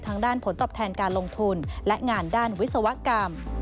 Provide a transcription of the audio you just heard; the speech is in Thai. ด้านผลตอบแทนการลงทุนและงานด้านวิศวกรรม